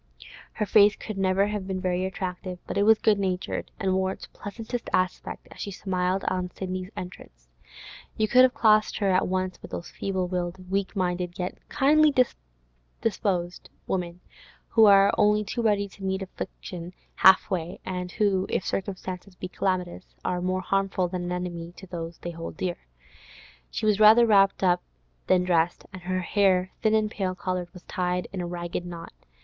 Her face could never have been very attractive, but it was good natured, and wore its pleasantest aspect as she smiled on Sidney's entrance. You would have classed her at once with those feeble willed, weak minded, yet kindly disposed women, who are only too ready to meet affliction half way, and who, if circumstances be calamitous, are more harmful than an enemy to those they hold dear. She was rather wrapped up than dressed, and her hair, thin and pale coloured, was tied in a ragged knot.